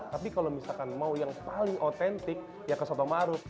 tapi kalau misalkan mau yang paling otentik ya ke soto ma'ruf